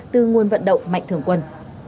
từ nguồn vận động mạnh thường quân